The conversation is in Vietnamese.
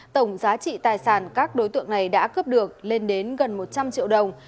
tổng giá trị tài sản các đối tượng này đã cướp được lên đến gần một trăm linh triệu đồng